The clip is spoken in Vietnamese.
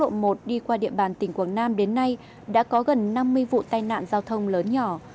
quốc lộ một đi qua địa bàn tỉnh quảng nam đến nay đã có gần năm mươi vụ tai nạn giao thông lớn nhỏ